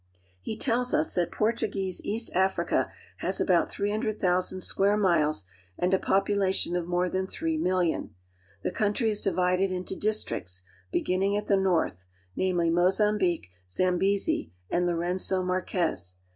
He tells us that Portuguese East Africa has about three hundred thousand square miles and a population of more than three millions. The country is divided into districts, beginning at the north; namely, Mozambique, Zambezi, and Louren^o Marquez.